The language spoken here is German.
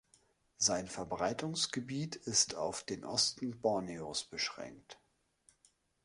Sein Verbreitungsgebiet ist auf den Osten Borneos beschränkt.